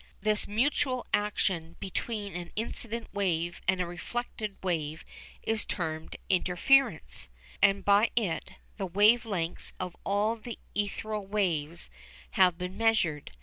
This mutual action between an incident wave and a reflected wave is termed "interference," and by it the wave lengths of all the ethereal waves have been measured.